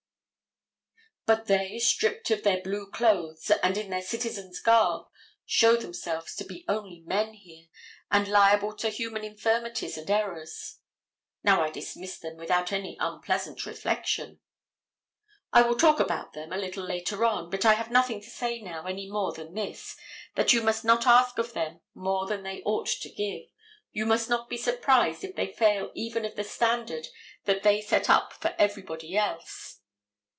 But they, stripped of their blue clothes, and in their citizens' garb, show themselves to be only men here, and liable to human infirmities and errors. Now I dismiss them without any unpleasant reflection. I will talk about them a little later on: but I have nothing to say now, any more than this, that you must not ask of them more than they ought to give, you must not be surprised that they fail even of the standard that they set up for everybody else.